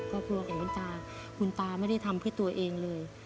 ครอบครัวของคุณตาคุณตาไม่ได้ทำเพื่อตัวเองเลย